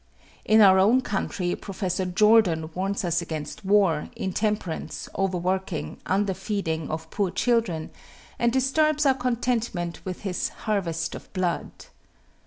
In our own country Professor Jordan warns us against war, intemperance, overworking, underfeeding of poor children, and disturbs our contentment with his "Harvest of Blood."